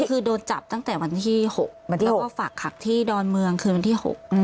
คือโดนจับตั้งแต่วันที่๖วันที่แล้วก็ฝากขังที่ดอนเมืองคืนวันที่๖